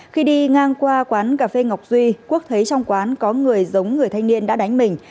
khi đi ngang qua quán cà phê ngọc duy quốc thấy trong quán có người giống người thanh niên đã đánh mình